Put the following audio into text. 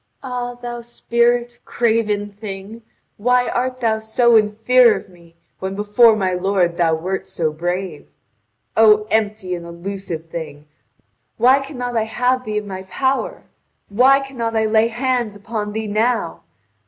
Ah, thou spirit, craven thing! Why art thou so in fear of me, when before my lord thou weft so brave? O empty and elusive thing, why cannot I have thee in my power? Why cannot I lay hands upon thee now?